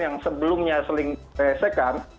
yang sebelumnya seling resekan